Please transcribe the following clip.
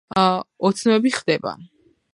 ოცნებები ხდება